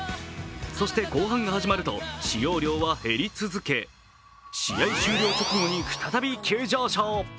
そして後半が始まると、使用量は減り続け、試合終了直後に再び急上昇。